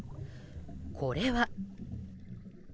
これは。